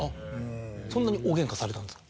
そんなに大ゲンカされたんですか。